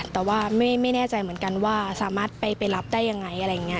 แต่ว่าไม่แน่ใจเหมือนกันว่าสามารถไปรับได้ยังไง